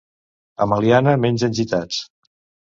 A Meliana mengen gitats.